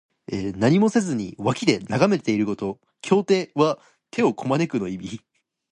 何もせずに脇で眺めていること。「拱手」は手をこまぬくの意味。